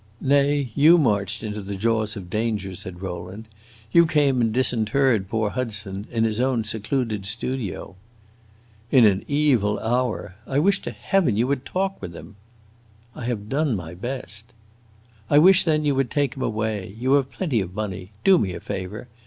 "Nay, you marched into the jaws of danger," said Rowland. "You came and disinterred poor Hudson in his own secluded studio." "In an evil hour! I wish to Heaven you would talk with him." "I have done my best." "I wish, then, you would take him away. You have plenty of money. Do me a favor.